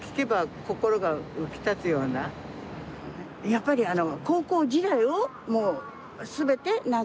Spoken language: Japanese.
やっぱりあの。